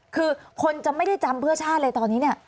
คือคนจะไม่ได้จำเพื่อชาติเลยตอนนี้เนี่ย